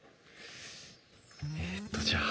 えっとじゃあ。